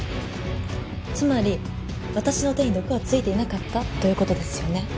つまり私の手に毒は付いていなかったという事ですよね。